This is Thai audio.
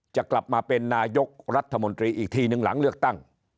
จะกลับมาเป็นนายกรัฐมนตรีอีกทีหนึ่งหลังเลือกตั้ง